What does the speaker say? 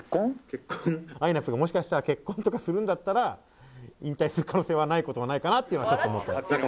結婚あいなぷぅがもしかしたら結婚とかするんだったら引退する可能性はない事もないかなっていうのはちょっと思ってる。